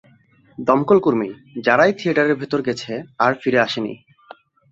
দমকলকর্মী যারাই থিয়েটারের ভিতরে গেছে, আর ফিরে আসেনি।